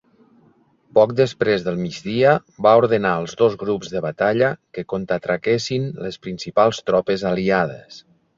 Poc després del migdia, va ordenar als dos grups de batalla que contraataquessin les principals tropes aliades.